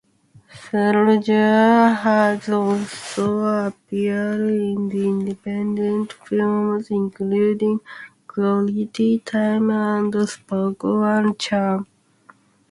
Salenger has also appeared in independent films, including "Quality Time" and "Sparkle and Charm".